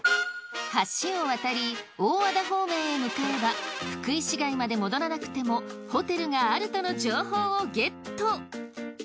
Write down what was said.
橋を渡り大和田方面へ向かえば福井市街まで戻らなくてもホテルがあるとの情報をゲット。